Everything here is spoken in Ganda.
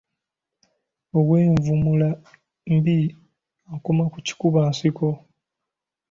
Ow’envumula mbi, akoma ku kikuba nsiko.